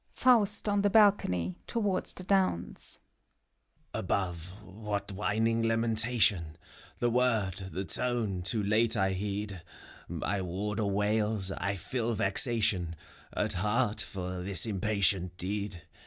FAUST {on the balcony, towards the downs). Above, what whining lamentation T The word, the tone, too late I heed. My warder wails: I feel vexation At heart, for this impatient deed.